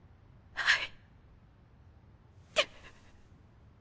はい！